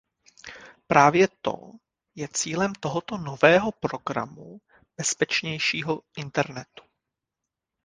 Právě to je cílem tohoto nového programu bezpečnějšího Internetu.